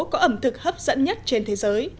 có ẩm thực hấp dẫn nhất trên thế giới